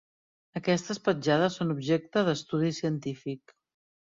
Aquestes petjades són objecte d'estudi científic.